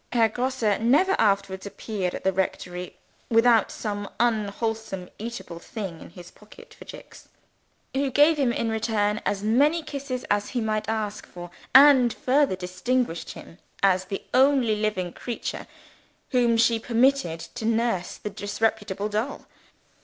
Herr Grosse never afterwards appeared at the rectory without some unwholesome eatable thing in his pocket for Jicks; who gave him in return as many kisses as he might ask for, and further distinguished him as the only living creature whom she permitted to nurse the disreputable doll.